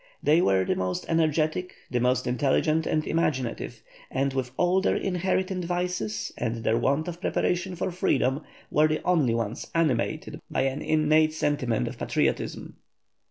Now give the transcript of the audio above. They were the most energetic, the most intelligent and imaginative; and with all their inherited vices and their want of preparation for freedom, were the only ones animated by an innate sentiment of patriotism.